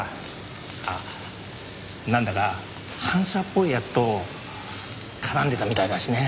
あっなんだか反社っぽい奴と絡んでたみたいだしね。